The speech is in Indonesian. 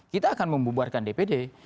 kita akan membubarkan dpd